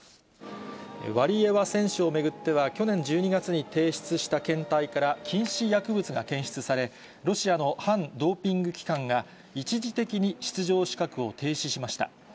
ワリエワ選手を巡っては、去年１２月に提出した検体から禁止薬物が検出され、ロシアの反ドーピング機関が、一時的に出場資格を停止しました。